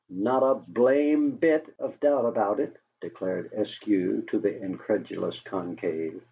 "Not a BLAMEBIT of doubt about it," declared Eskew to the incredulous conclave.